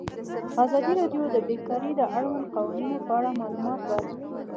ازادي راډیو د بیکاري د اړونده قوانینو په اړه معلومات ورکړي.